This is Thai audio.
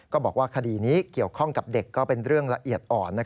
บอกว่าคดีนี้เกี่ยวข้องกับเด็กก็เป็นเรื่องละเอียดอ่อน